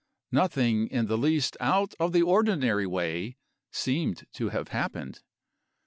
Nothing in the least out of the ordinary way seemed to have happened.